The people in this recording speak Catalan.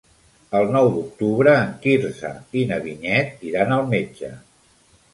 El nou d'octubre en Quirze i na Vinyet iran al metge.